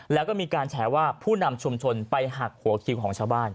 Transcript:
แล้วก็มีการแฉว่าผู้นำชุมชนไปหักหัวคิวของชาวบ้าน